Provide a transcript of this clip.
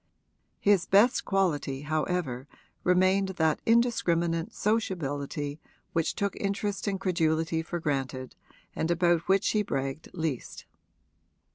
His best quality however remained that indiscriminate sociability which took interest and credulity for granted and about which he bragged least.